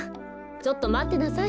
ちょっとまってなさい。